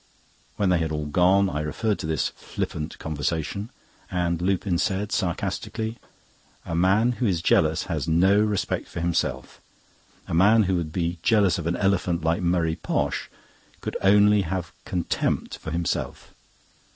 When they had all gone, I referred to this flippant conversation; and Lupin said, sarcastically: "A man who is jealous has no respect for himself. A man who would be jealous of an elephant like Murray Posh could only have a contempt for himself.